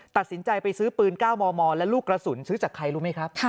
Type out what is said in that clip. ตัดสินใจไปซื้อปืน๙มมและลูกกระสุนซื้อจากใครรู้ไหมครับ